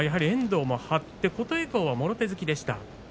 やはり遠藤も張って琴恵光は、もろ手突きでした。